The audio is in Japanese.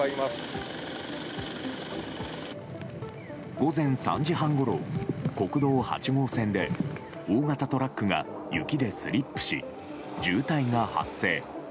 午前３時半ごろ、国道８号線で大型トラックが雪でスリップし渋滞が発生。